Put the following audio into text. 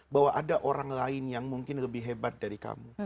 bahwa ada orang lain yang mungkin lebih hebat dari kamu